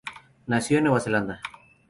Nació en Nueva Zelanda.